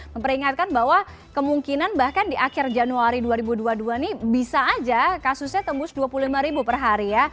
memperingatkan bahwa kemungkinan bahkan di akhir januari dua ribu dua puluh dua ini bisa aja kasusnya tembus dua puluh lima ribu per hari ya